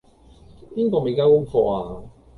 邊個未交功課呀?